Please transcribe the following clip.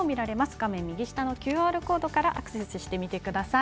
画面右下のＱＲコードからアクセスしてみてください。